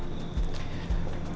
maybe damai perak